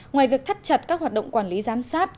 ngoài việc thắt chặt các hoạt động quản lý giám sát